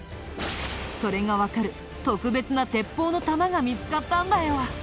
それがわかる特別な鉄砲の弾が見つかったんだよ。